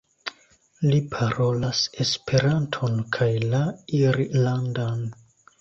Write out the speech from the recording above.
Li parolas Esperanton kaj la irlandan.